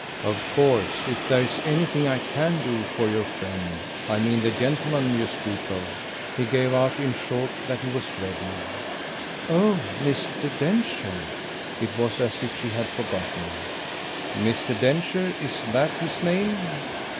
"Of course if there's anything I CAN do for your friend: I mean the gentleman you speak of ?" He gave out in short that he was ready. "Oh Mr. Densher?" It was as if she had forgotten. "Mr. Densher is that his name?"